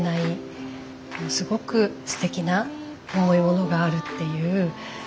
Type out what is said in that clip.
すごくすてきな重いものがあるっていう。